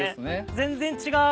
全然違う。